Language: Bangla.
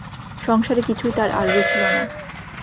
সংসারে কিছুই তাঁর আর রুচল না।